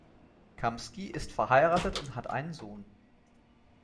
Kamsky ist verheiratet und hat einen Sohn.